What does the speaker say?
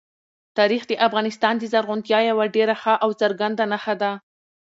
تاریخ د افغانستان د زرغونتیا یوه ډېره ښه او څرګنده نښه ده.